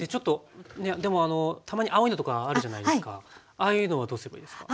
ああいうのはどうすればいいですか？